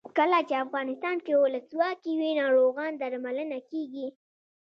کله چې افغانستان کې ولسواکي وي ناروغان درملنه کیږي.